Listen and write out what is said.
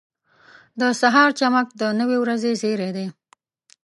• د سهار چمک د نوې ورځې زیری دی.